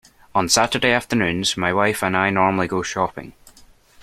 On Saturday afternoons my wife and I normally go shopping